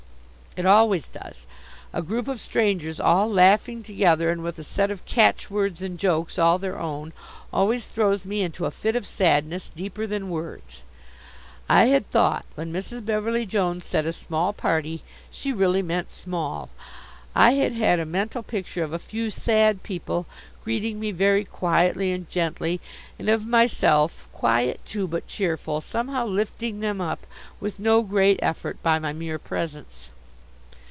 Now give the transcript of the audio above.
It always does. A group of strangers all laughing together, and with a set of catchwords and jokes all their own, always throws me into a fit of sadness, deeper than words. I had thought, when Mrs. Beverly Jones said a small party, she really meant small. I had had a mental picture of a few sad people, greeting me very quietly and gently, and of myself, quiet, too, but cheerful somehow lifting them up, with no great effort, by my mere presence.